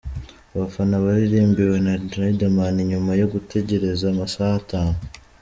Abafana baririmbiwe na Riderman nyuma yo gutegereza amasaha atanu.